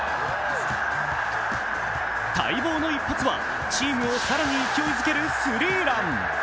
待望の一発はチームを更に勢いづけるスリーラン。